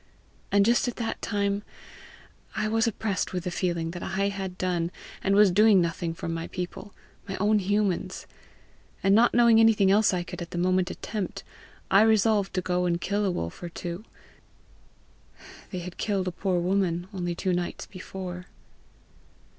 And just at that time I was oppressed with the feeling that I had done and was doing nothing for my people my own humans; and not knowing anything else I could at the moment attempt, I resolved to go and kill a wolf or two: they had killed a poor woman only two nights before.